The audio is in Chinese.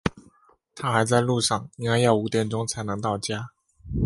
他还在路上，应该要五点钟才能到家。